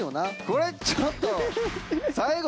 これちょっと。